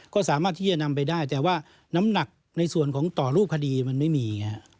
ก็สามารถที่จะนำไปได้แต่ว่าน้ำหนักในส่วนของต่อรูปคดีมันไม่มี